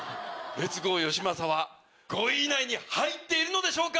レッツゴーよしまさは５位以内に入っているのでしょうか